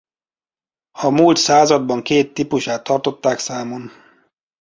A múlt században két típusát tartották számon.